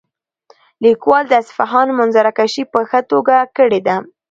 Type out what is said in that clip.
لیکوال د اصفهان منظرکشي په ښه توګه کړې ده.